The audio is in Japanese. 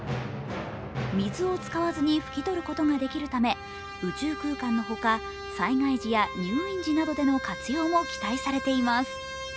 水を使わずに拭き取ることができるため宇宙空間のほか災害時や入院時などでの活用も期待されています。